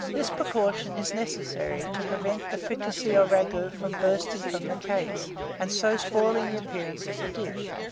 This precaution is necessary to prevent the fricassee or ragoût from bursting the case, and so spoiling the appearance of the dish.